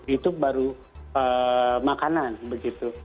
itu baru makanan begitu